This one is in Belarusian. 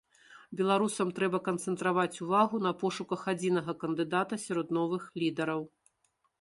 Беларусам трэба канцэнтраваць увагу на пошуках адзінага кандыдата сярод новых лідараў.